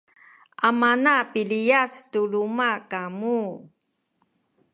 amana piliyas tu luma’ kamu